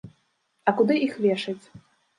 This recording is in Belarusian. А куды іх вешаць?